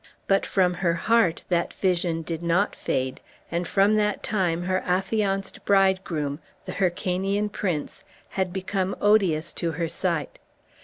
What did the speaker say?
But from her heart that vision did not fade, and from that time her affianced bridegroom, the Hyrcanian prince, had become odious to her sight.